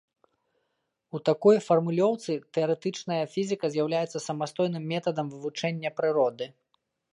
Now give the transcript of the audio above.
У такой фармулёўцы тэарэтычная фізіка з'яўляецца самастойным метадам вывучэння прыроды.